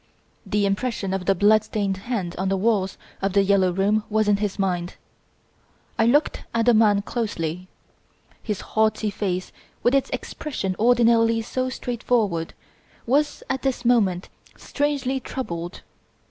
The impression of the blood stained hand on the walls of The "Yellow Room" was in his mind. I looked at the man closely. His haughty face with its expression ordinarily so straightforward was at this moment strangely troubled.